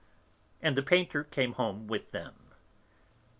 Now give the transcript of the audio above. And the painter came home with them.